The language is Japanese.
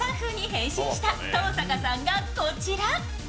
変身した登坂さんがこちら。